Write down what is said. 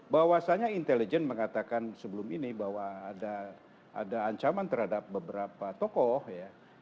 bahwasannya intelijen mengatakan sebelum ini bahwa ada ancaman terhadap beberapa tokoh ya